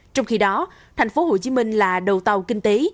trong khi đó thành phố hồ chí minh là đầu tàu kinh tế